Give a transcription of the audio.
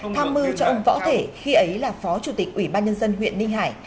tham mưu cho ông võ thể khi ấy là phó chủ tịch ủy ban nhân dân huyện ninh hải